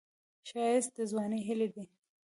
ښایست د ځوانۍ هیلې ده